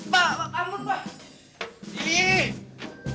pak pak kamu pak